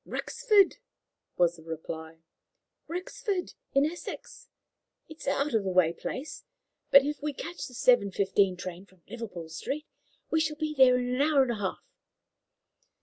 "Rexford," was the reply "Rexford, in Essex. It is an out of the way place, but if we catch the seven fifteen train from Liverpool Street, we shall be there in an hour and a half."